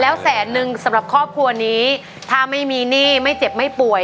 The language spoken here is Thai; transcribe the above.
แล้วแสนนึงสำหรับครอบครัวนี้ถ้าไม่มีหนี้ไม่เจ็บไม่ป่วย